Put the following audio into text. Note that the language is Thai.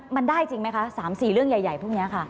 มันได้จริงไหมคะ๓๔เรื่องใหญ่พวกนี้ค่ะ